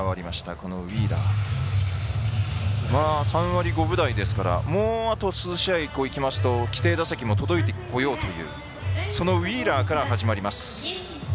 このウィーラー３割５分台ですからもう数試合いきますと規定打席にも届いてこようというそのウィーラーから始まります。